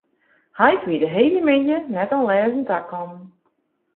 Heit wie de hiele middei net oan lêzen takommen.